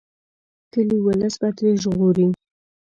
کلي ولس به ترې ژغوري.